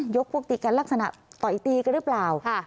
พวกตีกันลักษณะต่อยตีกันหรือเปล่า